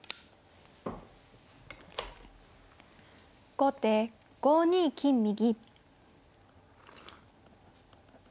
後手５二金右。